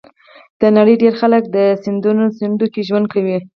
د نړۍ ډېری خلک د سیندونو څنډو کې ژوند کوي.